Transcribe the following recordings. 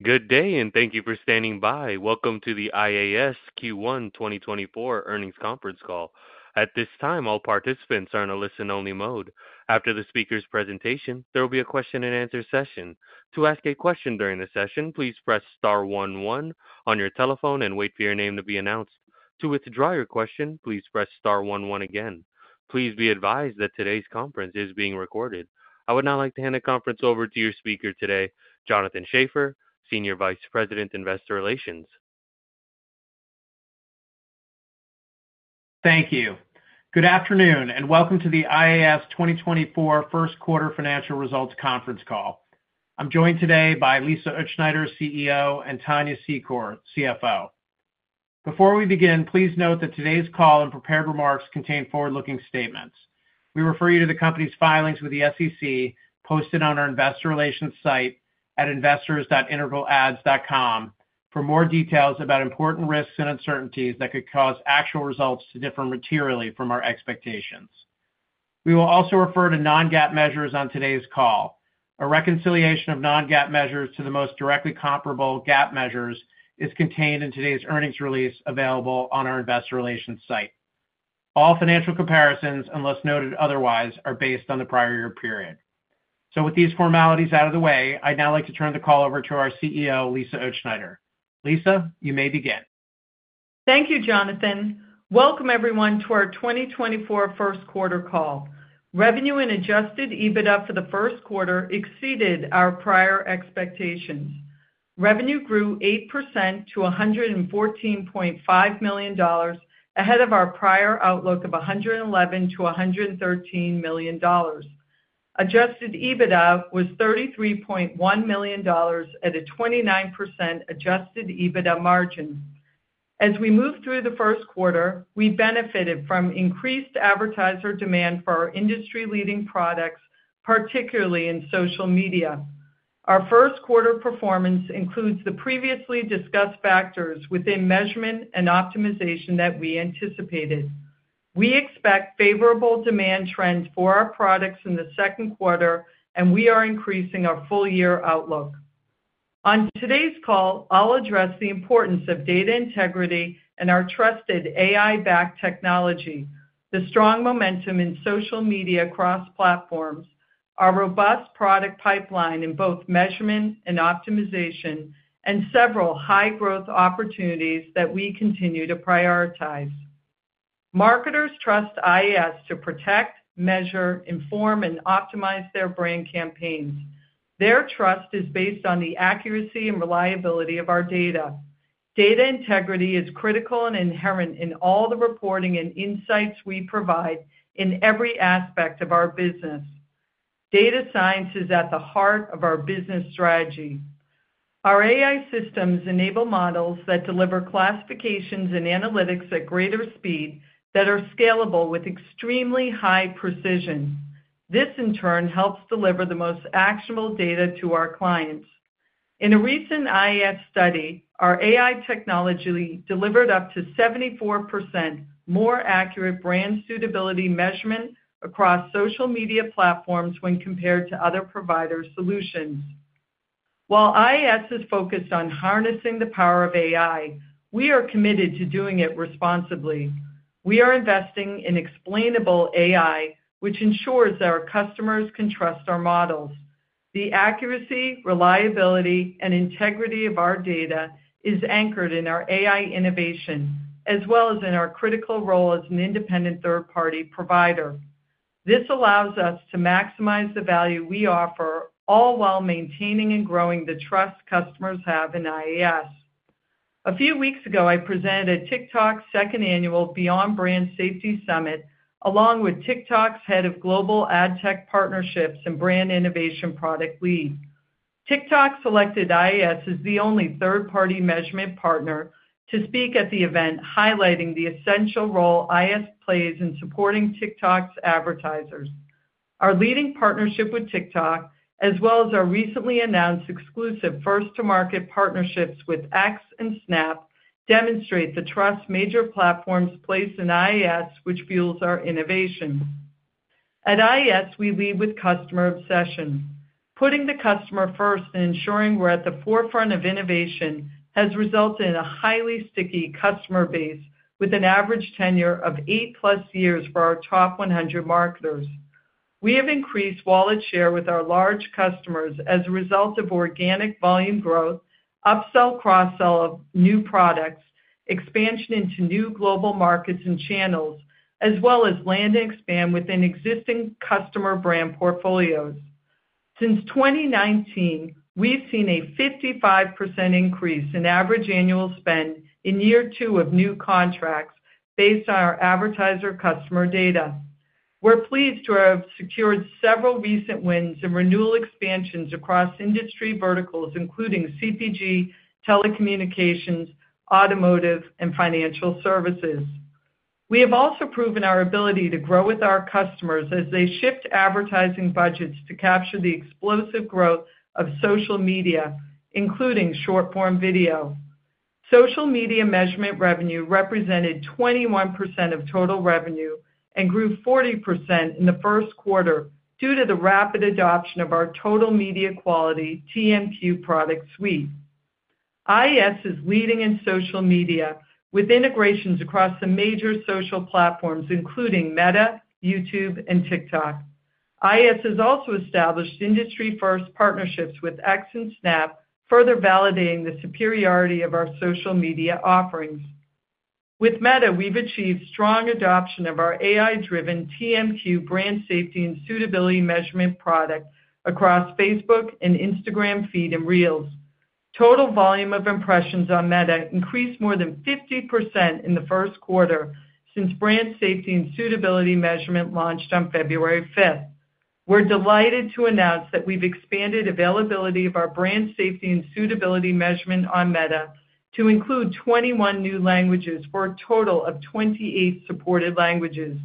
Good day and thank you for standing by. Welcome to the IAS Q1 2024 earnings conference call. At this time, all participants are in a listen-only mode. After the speaker's presentation, there will be a question-and-answer session. To ask a question during the session, please press star 11 on your telephone and wait for your name to be announced. To withdraw your question, please press star 11 again. Please be advised that today's conference is being recorded. I would now like to hand the conference over to your speaker today, Jonathan Schaffer, Senior Vice President, Investor Relations. Thank you. Good afternoon and welcome to the IAS 2024 first quarter financial results conference call. I'm joined today by Lisa Utzschneider, CEO, and Tania Secor, CFO. Before we begin, please note that today's call and prepared remarks contain forward-looking statements. We refer you to the company's filings with the SEC posted on our investor relations site at investors.integralads.com for more details about important risks and uncertainties that could cause actual results to differ materially from our expectations. We will also refer to non-GAAP measures on today's call. A reconciliation of non-GAAP measures to the most directly comparable GAAP measures is contained in today's earnings release available on our investor relations site. All financial comparisons, unless noted otherwise, are based on the prior year period. With these formalities out of the way, I'd now like to turn the call over to our CEO, Lisa Utzschneider. Lisa, you may begin. Thank you, Jonathan. Welcome everyone to our 2024 first quarter call. Revenue and adjusted EBITDA for the first quarter exceeded our prior expectations. Revenue grew 8% to $114,500,000 ahead of our prior outlook of $111,000,000-$113,000,000. Adjusted EBITDA was $33,100,000 at a 29% adjusted EBITDA margin. As we move through the first quarter, we benefited from increased advertiser demand for our industry-leading products, particularly in social media. Our first quarter performance includes the previously discussed factors within measurement and optimization that we anticipated. We expect favorable demand trends for our products in the second quarter, and we are increasing our full-year outlook. On today's call, I'll address the importance of data integrity and our trusted AI-backed technology, the strong momentum in social media across platforms, our robust product pipeline in both measurement and optimization, and several high-growth opportunities that we continue to prioritize. Marketers trust IAS to protect, measure, inform, and optimize their brand campaigns. Their trust is based on the accuracy and reliability of our data. Data integrity is critical and inherent in all the reporting and insights we provide in every aspect of our business. Data science is at the heart of our business strategy. Our AI systems enable models that deliver classifications and analytics at greater speed that are scalable with extremely high precision. This, in turn, helps deliver the most actionable data to our clients. In a recent IAS study, our AI technology delivered up to 74% more accurate brand suitability measurement across social media platforms when compared to other providers' solutions. While IAS is focused on harnessing the power of AI, we are committed to doing it responsibly. We are investing in explainable AI, which ensures that our customers can trust our models. The accuracy, reliability, and integrity of our data is anchored in our AI innovation, as well as in our critical role as an independent third-party provider. This allows us to maximize the value we offer, all while maintaining and growing the trust customers have in IAS. A few weeks ago, I presented at TikTok's second annual Beyond Brand Safety Summit along with TikTok's head of global ad tech partnerships and brand innovation product lead. TikTok selected IAS as the only third-party measurement partner to speak at the event, highlighting the essential role IAS plays in supporting TikTok's advertisers. Our leading partnership with TikTok, as well as our recently announced exclusive first-to-market partnerships with X and Snap, demonstrate the trust major platforms place in IAS, which fuels our innovation. At IAS, we lead with customer obsession. Putting the customer first and ensuring we're at the forefront of innovation has resulted in a highly sticky customer base with an average tenure of 8+ years for our top 100 marketers. We have increased wallet share with our large customers as a result of organic volume growth, upsell-cross-sell of new products, expansion into new global markets and channels, as well as land-and-expand within existing customer brand portfolios. Since 2019, we've seen a 55% increase in average annual spend in year two of new contracts based on our advertiser customer data. We're pleased to have secured several recent wins in renewal expansions across industry verticals, including CPG, telecommunications, automotive, and financial services. We have also proven our ability to grow with our customers as they shift advertising budgets to capture the explosive growth of social media, including short-form video. Social media measurement revenue represented 21% of total revenue and grew 40% in the first quarter due to the rapid adoption of our total media quality TMQ product suite. IAS is leading in social media with integrations across the major social platforms, including Meta, YouTube, and TikTok. IAS has also established industry-first partnerships with X and Snap, further validating the superiority of our social media offerings. With Meta, we've achieved strong adoption of our AI-driven TMQ brand safety and suitability measurement product across Facebook and Instagram feed and Reels. Total volume of impressions on Meta increased more than 50% in the first quarter since brand safety and suitability measurement launched on February 5th. We're delighted to announce that we've expanded availability of our brand safety and suitability measurement on Meta to include 21 new languages for a total of 28 supported languages.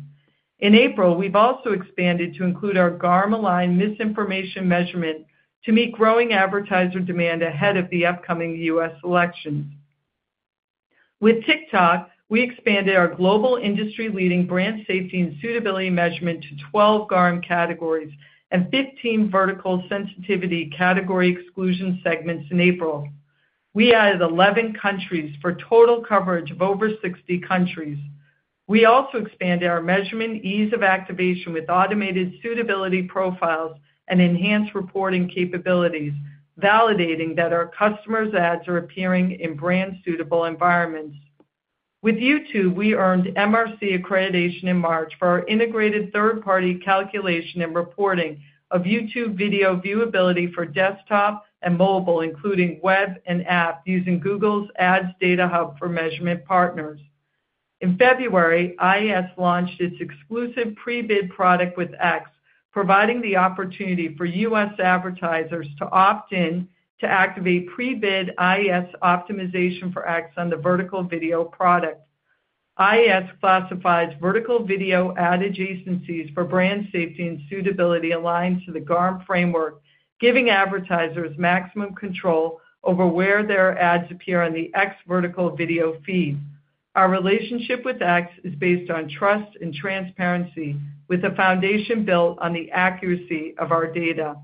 In April, we've also expanded to include our GARM-aligned misinformation measurement to meet growing advertiser demand ahead of the upcoming U.S. elections. With TikTok, we expanded our global industry-leading brand safety and suitability measurement to 12 GARM categories and 15 vertical sensitivity category exclusion segments in April. We added 11 countries for total coverage of over 60 countries. We also expanded our measurement ease of activation with automated suitability profiles and enhanced reporting capabilities, validating that our customers' ads are appearing in brand-suitable environments. With YouTube, we earned MRC accreditation in March for our integrated third-party calculation and reporting of YouTube video viewability for desktop and mobile, including web and app, using Google's Ads Data Hub for measurement partners. In February, IAS launched its exclusive pre-bid product with X, providing the opportunity for U.S. advertisers to opt in to activate pre-bid IAS optimization for X on the vertical video product. IAS classifies vertical video ad adjacencies for brand safety and suitability aligned to the GARM framework, giving advertisers maximum control over where their ads appear on the X vertical video feed. Our relationship with X is based on trust and transparency, with a foundation built on the accuracy of our data.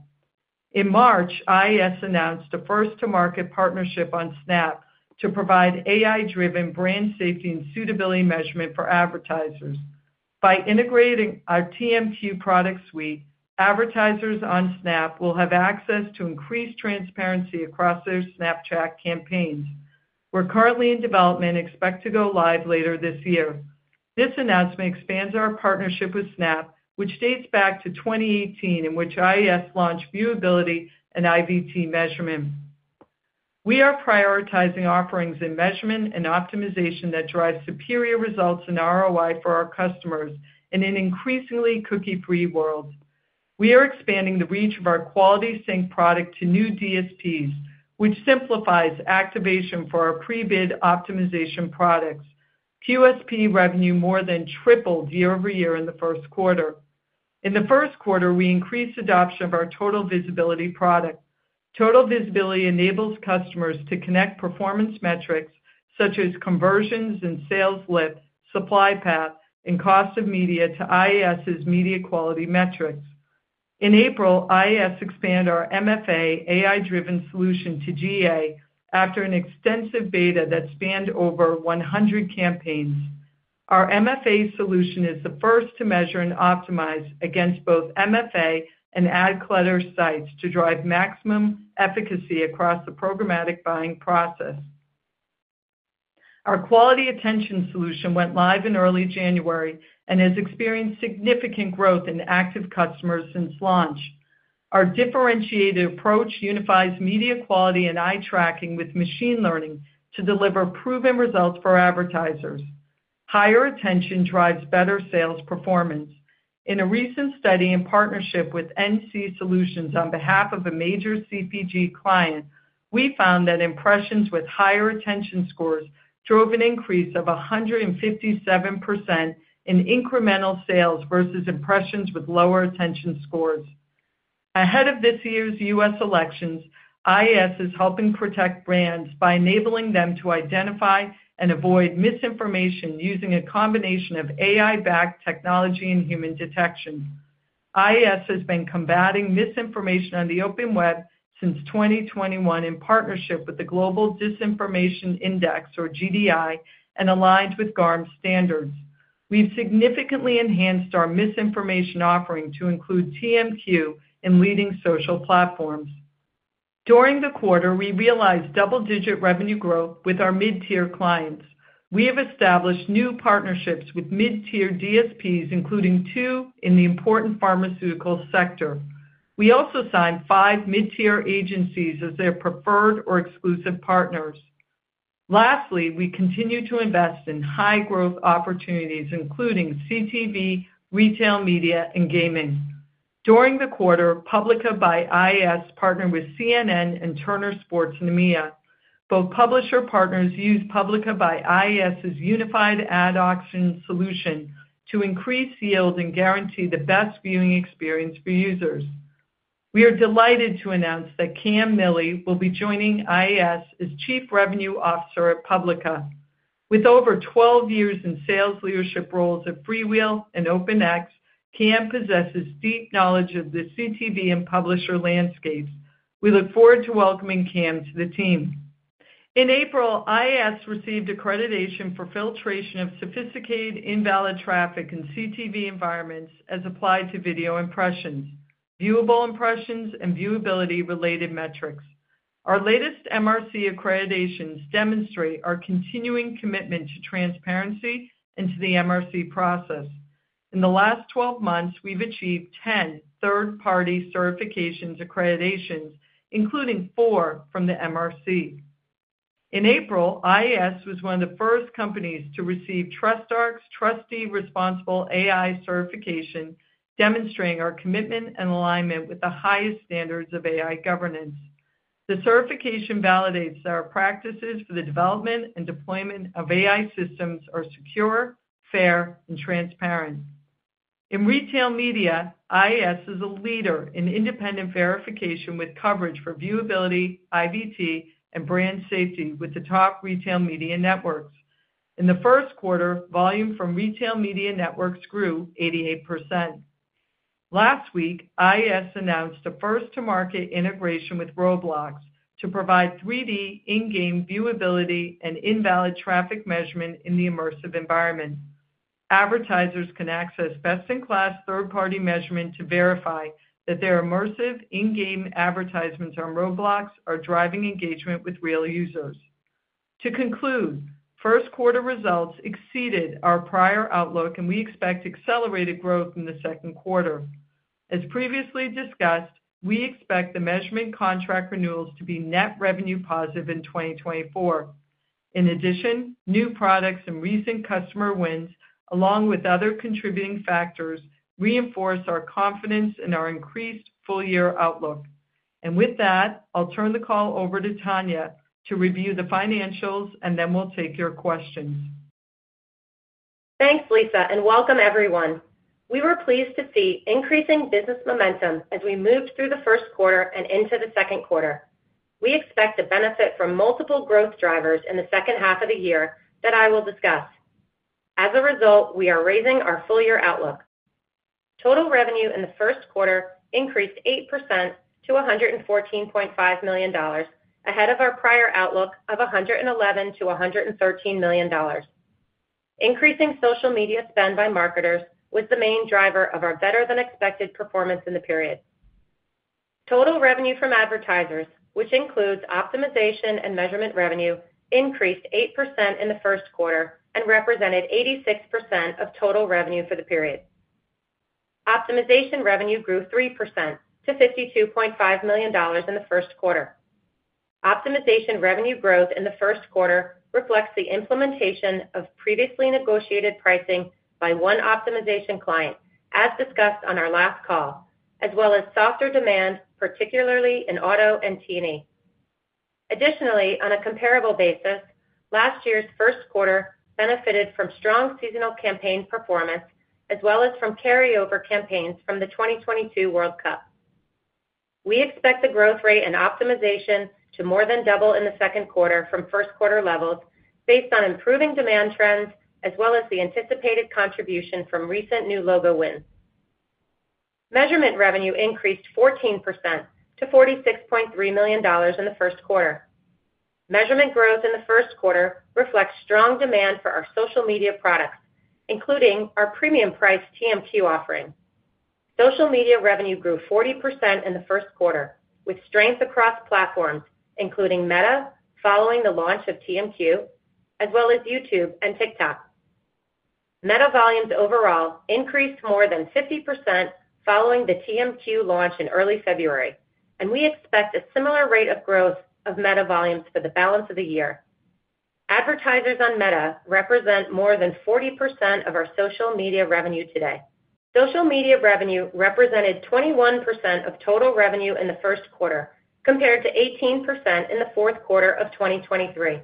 In March, IAS announced a first-to-market partnership on Snap to provide AI-driven brand safety and suitability measurement for advertisers. By integrating our TMQ product suite, advertisers on Snap will have access to increased transparency across their Snapchat campaigns. We're currently in development and expect to go live later this year. This announcement expands our partnership with Snap, which dates back to 2018, in which IAS launched viewability and IVT measurement. We are prioritizing offerings in measurement and optimization that drive superior results in ROI for our customers in an increasingly cookie-free world. We are expanding the reach of our Quality Sync product to new DSPs, which simplifies activation for our pre-bid optimization products. QSP revenue more than tripled year over year in the first quarter. In the first quarter, we increased adoption of our Total Visibility product. Total Visibility enables customers to connect performance metrics such as conversions and sales lift, supply path, and cost of media to IAS's media quality metrics. In April, IAS expanded our MFA AI-driven solution to GA after an extensive beta that spanned over 100 campaigns. Our MFA solution is the first to measure and optimize against both MFA and ad clutter sites to drive maximum efficacy across the programmatic buying process. Our Quality Attention solution went live in early January and has experienced significant growth in active customers since launch. Our differentiated approach unifies media quality and eye tracking with machine learning to deliver proven results for advertisers. Higher attention drives better sales performance. In a recent study in partnership with NCSolutions on behalf of a major CPG client, we found that impressions with higher attention scores drove an increase of 157% in incremental sales versus impressions with lower attention scores. Ahead of this year's U.S. elections, IAS is helping protect brands by enabling them to identify and avoid misinformation using a combination of AI-backed technology and human detection. IAS has been combating misinformation on the open web since 2021 in partnership with the Global Disinformation Index, or GDI, and aligned with GARM standards. We've significantly enhanced our misinformation offering to include TMQ in leading social platforms. During the quarter, we realized double-digit revenue growth with our mid-tier clients. We have established new partnerships with mid-tier DSPs, including two in the important pharmaceutical sector. We also signed five mid-tier agencies as their preferred or exclusive partners. Lastly, we continue to invest in high-growth opportunities, including CTV, retail media, and gaming. During the quarter, Publica by IAS partnered with CNN and Turner Sports in EMEA. Both publisher partners use Publica by IAS's unified ad auction solution to increase yield and guarantee the best viewing experience for users. We are delighted to announce that Cameron Miille will be joining IAS as Chief Revenue Officer at Publica. With over 12 years in sales leadership roles at FreeWheel and OpenX, Cam possesses deep knowledge of the CTV and publisher landscapes. We look forward to welcoming Cam to the team. In April, IAS received accreditation for filtration of sophisticated invalid traffic in CTV environments as applied to video impressions, viewable impressions, and viewability-related metrics. Our latest MRC accreditations demonstrate our continuing commitment to transparency and to the MRC process. In the last 12 months, we've achieved 10 third-party certifications and accreditations, including 4 from the MRC. In April, IAS was one of the first companies to receive TrustArc's TRUSTe Responsible AI certification, demonstrating our commitment and alignment with the highest standards of AI governance. The certification validates that our practices for the development and deployment of AI systems are secure, fair, and transparent. In retail media, IAS is a leader in independent verification with coverage for viewability, IVT, and brand safety with the top retail media networks. In the first quarter, volume from retail media networks grew 88%. Last week, IAS announced a first-to-market integration with Roblox to provide 3D in-game viewability and invalid traffic measurement in the immersive environment. Advertisers can access best-in-class third-party measurement to verify that their immersive in-game advertisements on Roblox are driving engagement with real users. To conclude, first-quarter results exceeded our prior outlook, and we expect accelerated growth in the second quarter. As previously discussed, we expect the measurement contract renewals to be net revenue positive in 2024. In addition, new products and recent customer wins, along with other contributing factors, reinforce our confidence in our increased full-year outlook. And with that, I'll turn the call over to Tania to review the financials, and then we'll take your questions. Thanks, Lisa, and welcome, everyone. We were pleased to see increasing business momentum as we moved through the first quarter and into the second quarter. We expect to benefit from multiple growth drivers in the second half of the year that I will discuss. As a result, we are raising our full-year outlook. Total revenue in the first quarter increased 8% to $114,500,000 ahead of our prior outlook of $111,000,000-$113,000,000. Increasing social media spend by marketers was the main driver of our better-than-expected performance in the period. Total revenue from advertisers, which includes optimization and measurement revenue, increased 8% in the first quarter and represented 86% of total revenue for the period. Optimization revenue grew 3% to $52,500,000 in the first quarter. Optimization revenue growth in the first quarter reflects the implementation of previously negotiated pricing by one optimization client, as discussed on our last call, as well as softer demand, particularly in auto and T&E. Additionally, on a comparable basis, last year's first quarter benefited from strong seasonal campaign performance as well as from carryover campaigns from the 2022 World Cup. We expect the growth rate and optimization to more than double in the second quarter from first-quarter levels based on improving demand trends as well as the anticipated contribution from recent new logo wins. Measurement revenue increased 14% to $46,300,000 in the first quarter. Measurement growth in the first quarter reflects strong demand for our social media products, including our premium-priced TMQ offering. Social media revenue grew 40% in the first quarter, with strength across platforms, including Meta, following the launch of TMQ, as well as YouTube and TikTok. Meta volumes overall increased more than 50% following the TMQ launch in early February, and we expect a similar rate of growth of Meta volumes for the balance of the year. Advertisers on Meta represent more than 40% of our social media revenue today. Social media revenue represented 21% of total revenue in the first quarter, compared to 18% in the fourth quarter of 2023.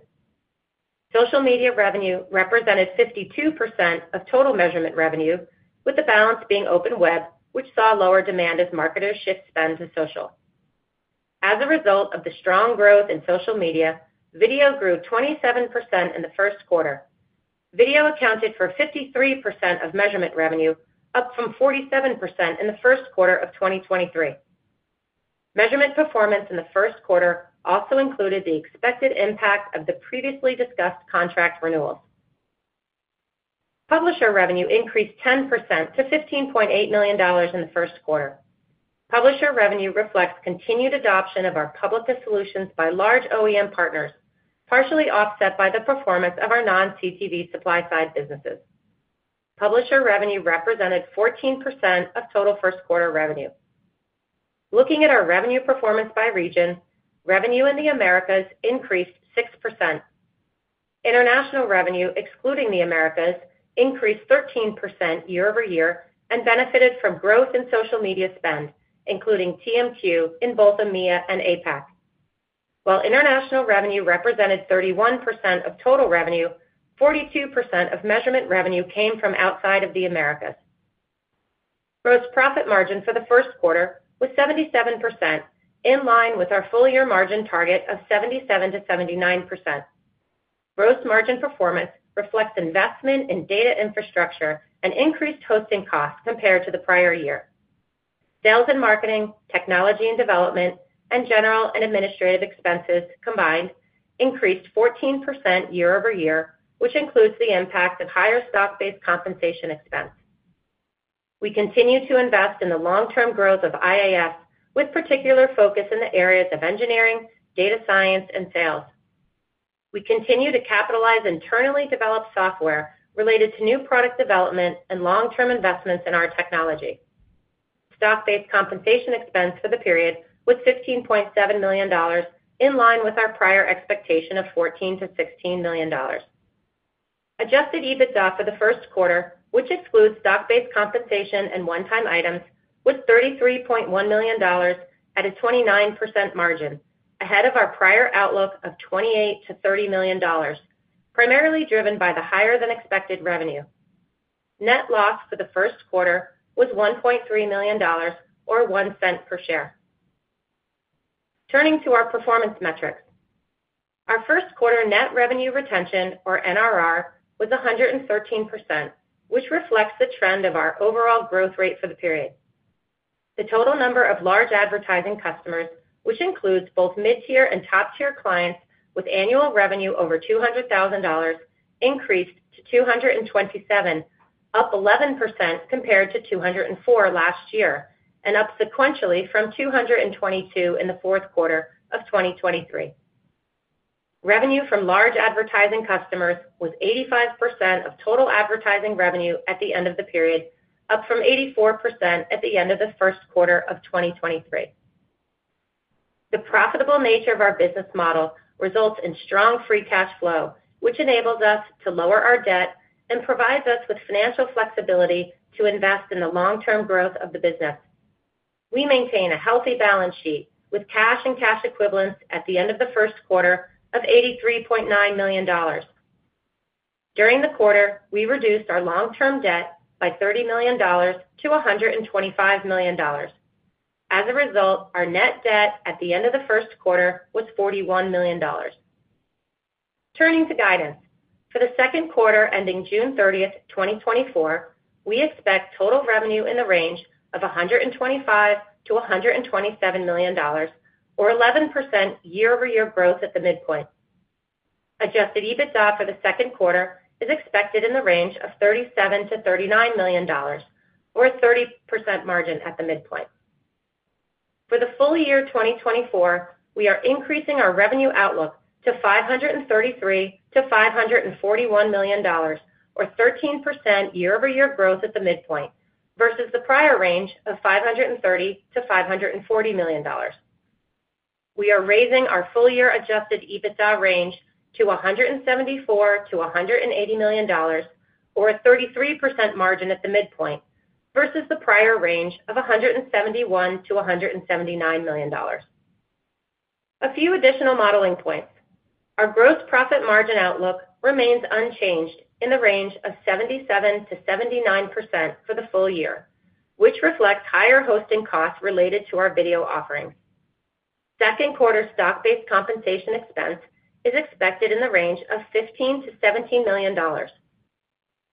Social media revenue represented 52% of total measurement revenue, with the balance being open web, which saw lower demand as marketers shift spend to social. As a result of the strong growth in social media, video grew 27% in the first quarter. Video accounted for 53% of measurement revenue, up from 47% in the first quarter of 2023. Measurement performance in the first quarter also included the expected impact of the previously discussed contract renewals. Publisher revenue increased 10% to $15,800,000 in the first quarter. Publisher revenue reflects continued adoption of our Publica solutions by large OEM partners, partially offset by the performance of our non-CTV supply-side businesses. Publisher revenue represented 14% of total first-quarter revenue. Looking at our revenue performance by region, revenue in the Americas increased 6%. International revenue, excluding the Americas, increased 13% year-over-year and benefited from growth in social media spend, including TMQ in both EMEA and APAC. While international revenue represented 31% of total revenue, 42% of measurement revenue came from outside of the Americas. Gross profit margin for the first quarter was 77%, in line with our full-year margin target of 77%-79%. Gross margin performance reflects investment in data infrastructure and increased hosting costs compared to the prior year. Sales and marketing, technology and development, and general and administrative expenses combined increased 14% year-over-year, which includes the impact of higher stock-based compensation expense. We continue to invest in the long-term growth of IAS, with particular focus in the areas of engineering, data science, and sales. We continue to capitalize internally developed software related to new product development and long-term investments in our technology. Stock-based compensation expense for the period was $15,700,000, in line with our prior expectation of $14,000,000-$16,000,000. Adjusted EBITDA for the first quarter, which excludes stock-based compensation and one-time items, was $33,100,000 at a 29% margin, ahead of our prior outlook of $28,000,000-$30,000,000, primarily driven by the higher-than-expected revenue. Net loss for the first quarter was $1,300,000, or one cent per share. Turning to our performance metrics, our first-quarter net revenue retention, or NRR, was 113%, which reflects the trend of our overall growth rate for the period. The total number of large advertising customers, which includes both mid-tier and top-tier clients with annual revenue over $200,000, increased to 227, up 11% compared to 204 last year and up sequentially from 222 in the fourth quarter of 2023. Revenue from large advertising customers was 85% of total advertising revenue at the end of the period, up from 84% at the end of the first quarter of 2023. The profitable nature of our business model results in strong free cash flow, which enables us to lower our debt and provides us with financial flexibility to invest in the long-term growth of the business. We maintain a healthy balance sheet with cash and cash equivalents at the end of the first quarter of $83,900,000. During the quarter, we reduced our long-term debt by $30,000,000 to $125,000,000. As a result, our net debt at the end of the first quarter was $41,000,000. Turning to guidance, for the second quarter ending June 30th, 2024, we expect total revenue in the range of $125,000,000-$127,000,000, or 11% year-over-year growth at the midpoint. Adjusted EBITDA for the second quarter is expected in the range of $37,000,000-$39,000,000, or a 30% margin at the midpoint. For the full year 2024, we are increasing our revenue outlook to $533,000,000-$541,000,000, or 13% year-over-year growth at the midpoint versus the prior range of $530,000,000-$540,000,000. We are raising our full-year adjusted EBITDA range to $174,000,000-$180,000,000, or a 33% margin at the midpoint versus the prior range of $171,000,000-$179,000,000. A few additional modeling points: our gross profit margin outlook remains unchanged in the range of 77%-79% for the full year, which reflects higher hosting costs related to our video offerings. Second-quarter stock-based compensation expense is expected in the range of $15,000,000-$17,000,000.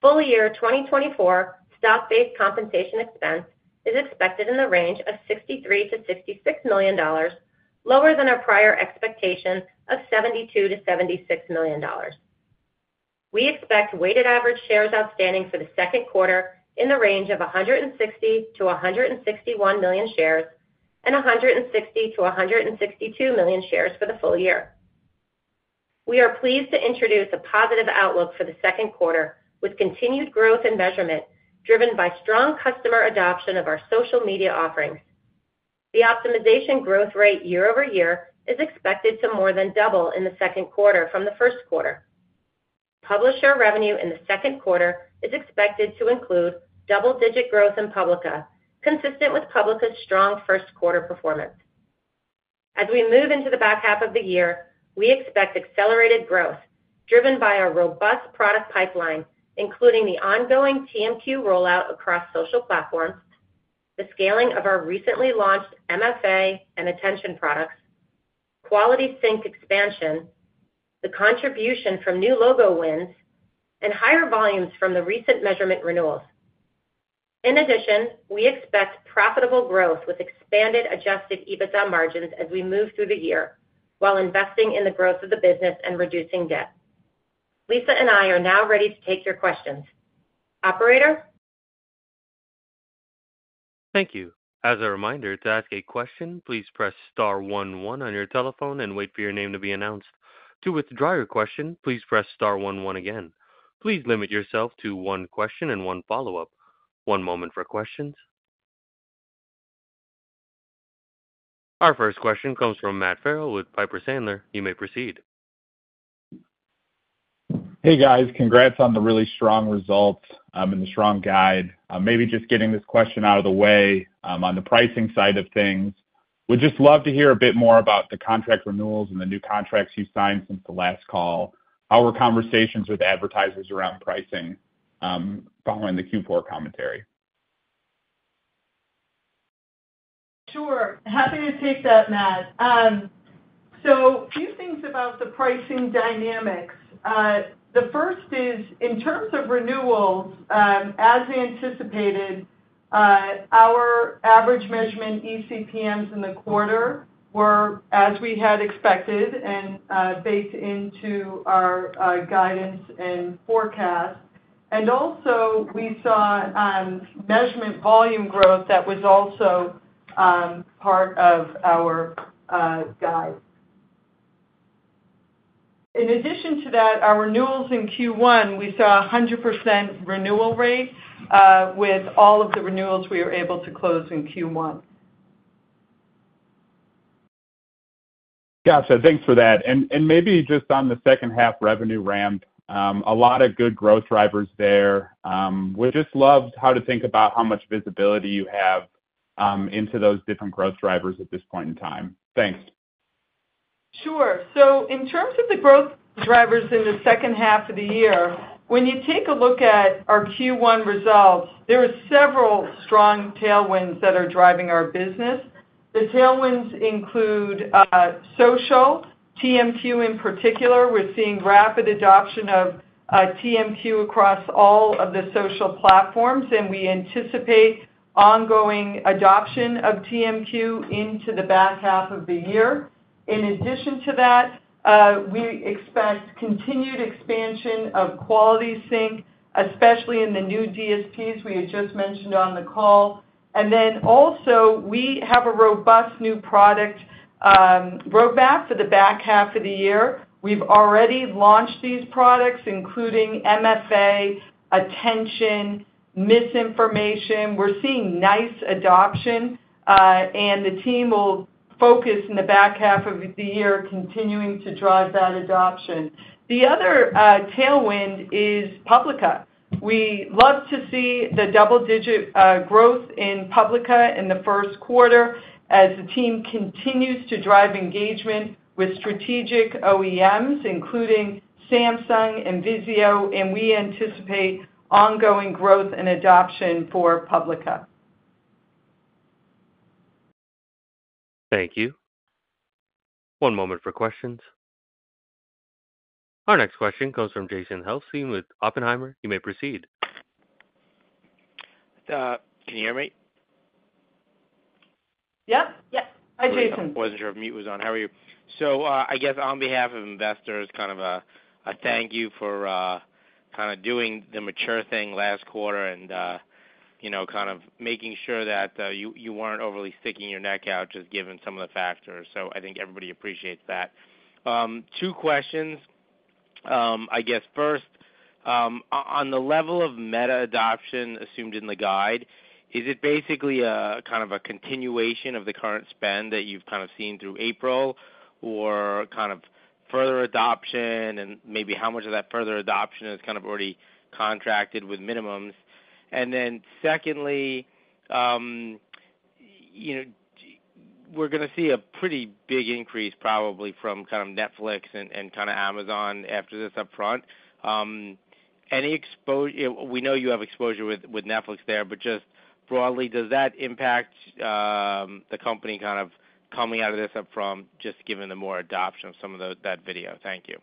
Full year 2024 stock-based compensation expense is expected in the range of $63,000,000-$66,000,000, lower than our prior expectation of $72,000,000-$76,000,000. We expect weighted average shares outstanding for the second quarter in the range of 160,000,000-161,000,000 shares and 160,000,000-162,000,000 shares for the full year. We are pleased to introduce a positive outlook for the second quarter with continued growth in measurement driven by strong customer adoption of our social media offerings. The optimization growth rate year-over-year is expected to more than double in the second quarter from the first quarter. Publisher revenue in the second quarter is expected to include double-digit growth in Publica, consistent with Publica's strong first-quarter performance. As we move into the back half of the year, we expect accelerated growth driven by our robust product pipeline, including the ongoing TMQ rollout across social platforms, the scaling of our recently launched MFA and attention products, Quality Sync expansion, the contribution from new logo wins, and higher volumes from the recent measurement renewals. In addition, we expect profitable growth with expanded adjusted EBITDA margins as we move through the year while investing in the growth of the business and reducing debt. Lisa and I are now ready to take your questions. Operator? Thank you. As a reminder, to ask a question, please press star 11 on your telephone and wait for your name to be announced. To withdraw your question, please press star 11 again. Please limit yourself to one question and one follow-up. One moment for questions. Our first question comes from Matt Farrell with Piper Sandler. You may proceed. Hey, guys. Congrats on the really strong results and the strong guide. Maybe just getting this question out of the way on the pricing side of things. We'd just love to hear a bit more about the contract renewals and the new contracts you signed since the last call, how were conversations with advertisers around pricing following the Q4 commentary? Sure. Happy to take that, Matt. So a few things about the pricing dynamics. The first is, in terms of renewals, as anticipated, our average measurement ECPMs in the quarter were as we had expected and baked into our guidance and forecast. And also, we saw measurement volume growth that was also part of our guide. In addition to that, our renewals in Q1, we saw a 100% renewal rate with all of the renewals we were able to close in Q1. Gotcha. Thanks for that. Maybe just on the second-half revenue ramp, a lot of good growth drivers there. We just love how to think about how much visibility you have into those different growth drivers at this point in time. Thanks. Sure. So in terms of the growth drivers in the second half of the year, when you take a look at our Q1 results, there are several strong tailwinds that are driving our business. The tailwinds include social, TMQ in particular. We're seeing rapid adoption of TMQ across all of the social platforms, and we anticipate ongoing adoption of TMQ into the back half of the year. In addition to that, we expect continued expansion of Quality Sync, especially in the new DSPs we had just mentioned on the call. And then also, we have a robust new product roadmap for the back half of the year. We've already launched these products, including MFA, attention, misinformation. We're seeing nice adoption, and the team will focus in the back half of the year continuing to drive that adoption. The other tailwind is Publica. We love to see the double-digit growth in Publica in the first quarter as the team continues to drive engagement with strategic OEMs, including Samsung and Vizio, and we anticipate ongoing growth and adoption for Publica. Thank you. One moment for questions. Our next question comes from Jason Helfstein with Oppenheimer. You may proceed. Can you hear me? Yep. Yep. Hi, Jason. I wasn't sure if mute was on. How are you? So I guess on behalf of investors, kind of a thank you for kind of doing the mature thing last quarter and kind of making sure that you weren't overly sticking your neck out just given some of the factors. So I think everybody appreciates that. Two questions, I guess. First, on the level of Meta adoption assumed in the guide, is it basically kind of a continuation of the current spend that you've kind of seen through April, or kind of further adoption? And maybe how much of that further adoption is kind of already contracted with minimums? And then secondly, we're going to see a pretty big increase probably from kind of Netflix and kind of Amazon after this upfront. We know you have exposure with Netflix there, but just broadly, does that impact the company kind of coming out of this upfront just given the more adoption of some of that video? Thank you.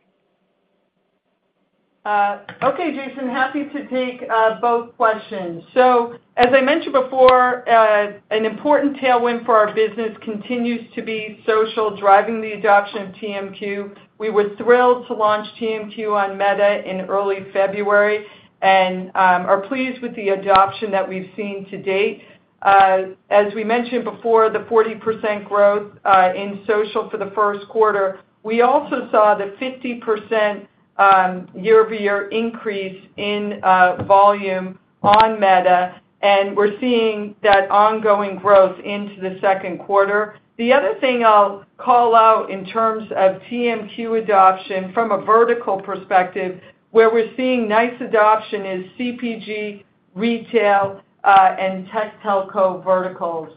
Okay, Jason. Happy to take both questions. So as I mentioned before, an important tailwind for our business continues to be social driving the adoption of TMQ. We were thrilled to launch TMQ on Meta in early February and are pleased with the adoption that we've seen to date. As we mentioned before, the 40% growth in social for the first quarter. We also saw the 50% year-over-year increase in volume on Meta, and we're seeing that ongoing growth into the second quarter. The other thing I'll call out in terms of TMQ adoption from a vertical perspective, where we're seeing nice adoption, is CPG, retail, and tech telco verticals.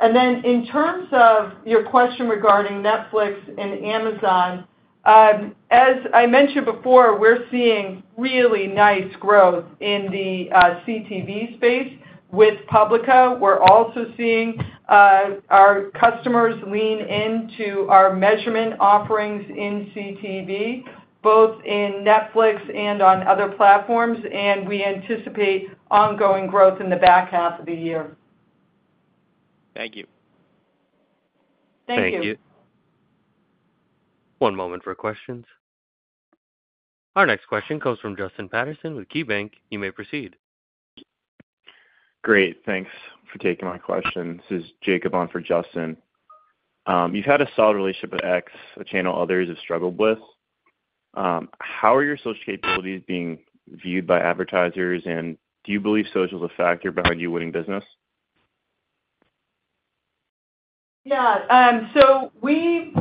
And then in terms of your question regarding Netflix and Amazon, as I mentioned before, we're seeing really nice growth in the CTV space with Publica. We're also seeing our customers lean into our measurement offerings in CTV, both in Netflix and on other platforms, and we anticipate ongoing growth in the back half of the year. Thank you. Thank you. Thank you. One moment for questions. Our next question comes from Justin Patterson with KeyBanc. You may proceed. Great. Thanks for taking my question. This is Jacob on for Justin. You've had a solid relationship with X, a channel others have struggled with. How are your social capabilities being viewed by advertisers, and do you believe social is a factor behind you winning business? Yeah. So we've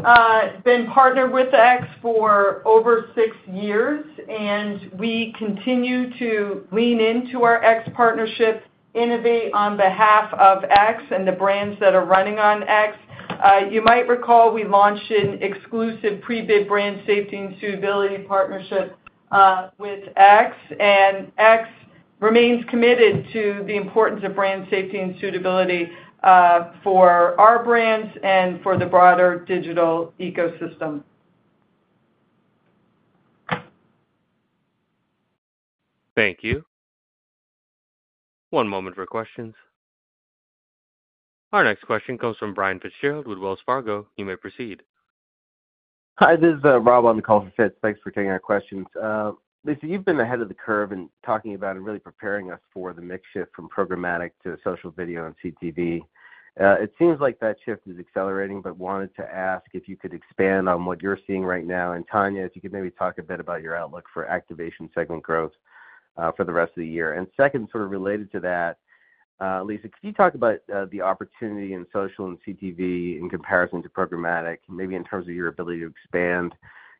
been partnered with X for over six years, and we continue to lean into our X partnership, innovate on behalf of X and the brands that are running on X. You might recall we launched an exclusive pre-bid brand safety and suitability partnership with X, and X remains committed to the importance of brand safety and suitability for our brands and for the broader digital ecosystem. Thank you. One moment for questions. Our next question comes from Brian Fitzgerald with Wells Fargo. You may proceed. Hi. This is Rob on the call for Fitz. Thanks for taking our questions. Lisa, you've been ahead of the curve in talking about and really preparing us for the mix shift from programmatic to social video and CTV. It seems like that shift is accelerating, but wanted to ask if you could expand on what you're seeing right now. And Tania, if you could maybe talk a bit about your outlook for activation segment growth for the rest of the year. And second, sort of related to that, Lisa, could you talk about the opportunity in social and CTV in comparison to programmatic, maybe in terms of your ability to expand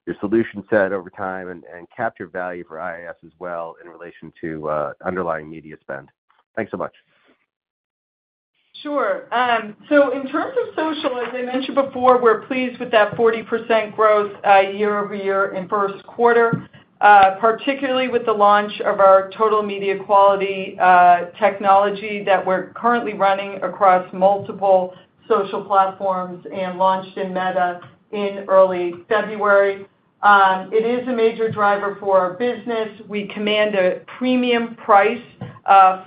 your solution set over time and capture value for IAS as well in relation to underlying media spend? Thanks so much. Sure. So in terms of social, as I mentioned before, we're pleased with that 40% growth year-over-year in first quarter, particularly with the launch of our Total Media Quality technology that we're currently running across multiple social platforms and launched in Meta in early February. It is a major driver for our business. We command a premium price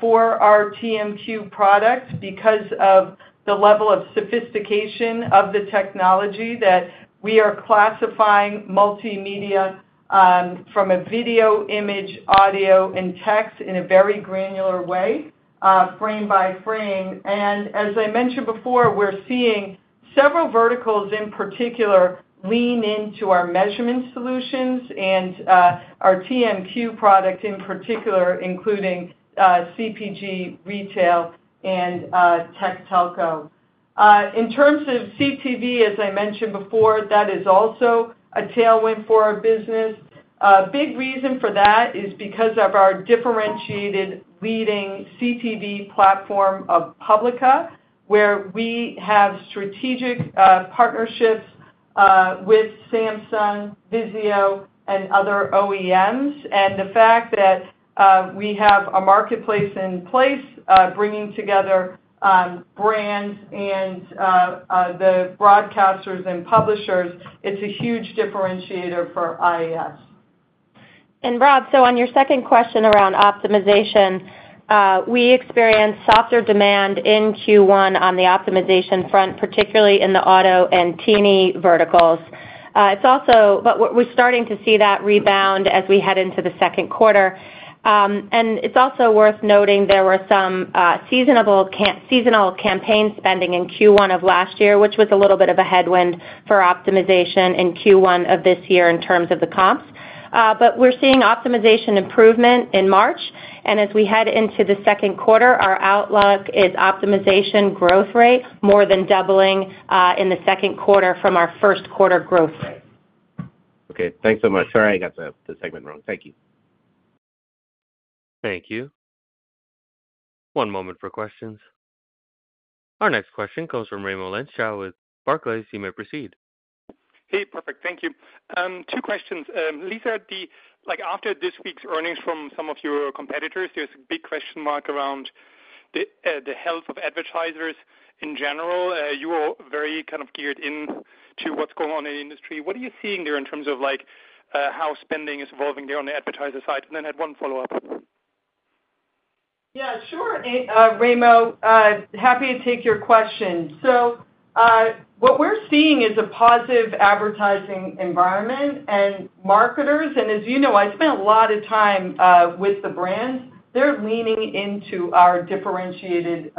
for our TMQ products because of the level of sophistication of the technology that we are classifying multimedia from a video, image, audio, and text in a very granular way, frame by frame. And as I mentioned before, we're seeing several verticals in particular lean into our measurement solutions and our TMQ product in particular, including CPG, retail, and tech telco. In terms of CTV, as I mentioned before, that is also a tailwind for our business. A big reason for that is because of our differentiated leading CTV platform of Publica, where we have strategic partnerships with Samsung, Vizio, and other OEMs. And the fact that we have a marketplace in place bringing together brands and the broadcasters and publishers, it's a huge differentiator for IAS. Rob, so on your second question around optimization, we experienced softer demand in Q1 on the optimization front, particularly in the auto and T&E verticals. We're starting to see that rebound as we head into the second quarter. It's also worth noting there were some seasonal campaign spending in Q1 of last year, which was a little bit of a headwind for optimization in Q1 of this year in terms of the comps. We're seeing optimization improvement in March. As we head into the second quarter, our outlook is optimization growth rate more than doubling in the second quarter from our first quarter growth rate. Okay. Thanks so much. Sorry, I got the segment wrong. Thank you. Thank you. One moment for questions. Our next question comes from Raymond Lenzchao with Barclays. You may proceed. Hey. Perfect. Thank you. Two questions. Lisa, after this week's earnings from some of your competitors, there's a big question mark around the health of advertisers in general. You are very kind of geared into what's going on in the industry. What are you seeing there in terms of how spending is evolving there on the advertiser side? And then I had one follow-up. Yeah. Sure, Raymond. Happy to take your question. So what we're seeing is a positive advertising environment and marketers. And as you know, I spent a lot of time with the brands. They're leaning into our differentiated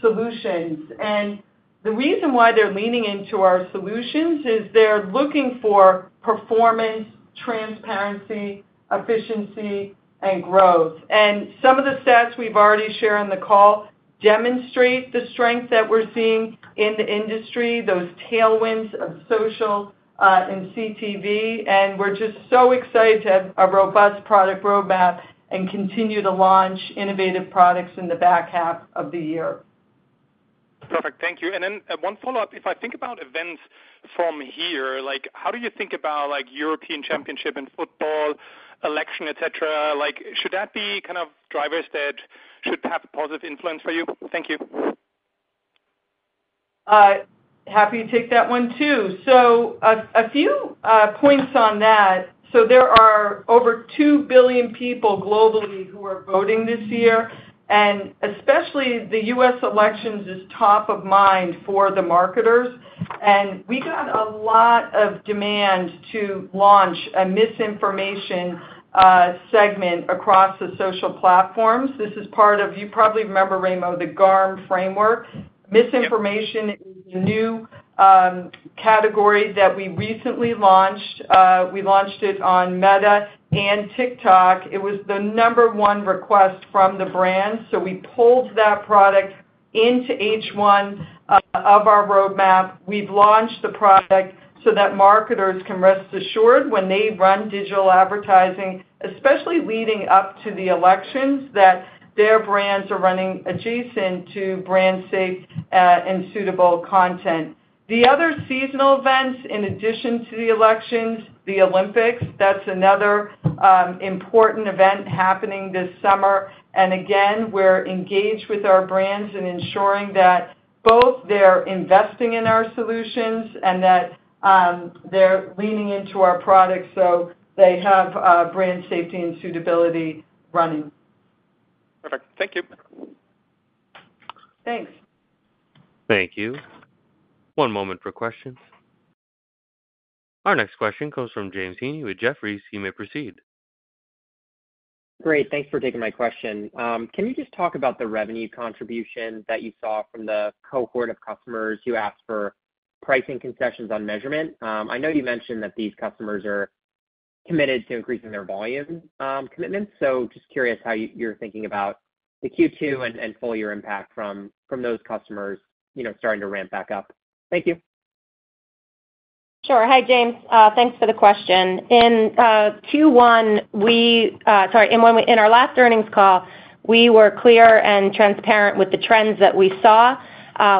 solutions. And the reason why they're leaning into our solutions is they're looking for performance, transparency, efficiency, and growth. And some of the stats we've already shared on the call demonstrate the strength that we're seeing in the industry, those tailwinds of social and CTV. And we're just so excited to have a robust product roadmap and continue to launch innovative products in the back half of the year. Perfect. Thank you. And then one follow-up. If I think about events from here, how do you think about European Championship and football election, etc.? Should that be kind of drivers that should have a positive influence for you? Thank you. Happy to take that one too. So a few points on that. So there are over 2,000,000,000 people globally who are voting this year, and especially the U.S. elections is top of mind for the marketers. And we got a lot of demand to launch a misinformation segment across the social platforms. This is part of you probably remember, Raymond, the GARM framework. Misinformation is a new category that we recently launched. We launched it on Meta and TikTok. It was the number one request from the brands. So we pulled that product into H1 of our roadmap. We've launched the product so that marketers can rest assured when they run digital advertising, especially leading up to the elections, that their brands are running adjacent to brand-safe and suitable content. The other seasonal events, in addition to the elections, the Olympics, that's another important event happening this summer. Again, we're engaged with our brands in ensuring that both they're investing in our solutions and that they're leaning into our products so they have brand safety and suitability running. Perfect. Thank you. Thanks. Thank you. One moment for questions. Our next question comes from James Heaney with Jefferies. You may proceed. Great. Thanks for taking my question. Can you just talk about the revenue contribution that you saw from the cohort of customers who asked for pricing concessions on measurement? I know you mentioned that these customers are committed to increasing their volume commitments. So just curious how you're thinking about the Q2 and full year impact from those customers starting to ramp back up. Thank you. Sure. Hi, James. Thanks for the question. In Q1, in our last earnings call, we were clear and transparent with the trends that we saw.